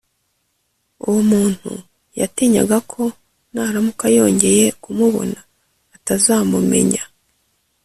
Uwo muntu yatinyaga ko naramuka yongeye kumubona atazamumenya